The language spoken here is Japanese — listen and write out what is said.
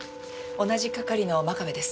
同じ係の真壁です。